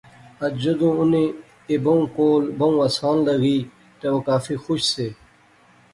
اج جدوں انیں ایہہ بہوں کول، بہوں آسان لغی تہ او کافی خوش سے